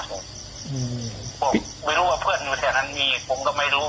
อืมไม่รู้ว่าเพื่อนอยู่แสดงนี้ผมก็ไม่รู้